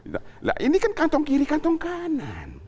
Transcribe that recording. nah ini kan kantong kiri kantong kanan